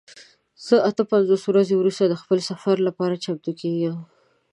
زه اته پنځوس ورځې وروسته د خپل سفر لپاره چمتو کیږم.